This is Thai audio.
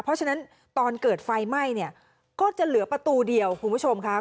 เพราะฉะนั้นตอนเกิดไฟไหม้เนี่ยก็จะเหลือประตูเดียวคุณผู้ชมค่ะ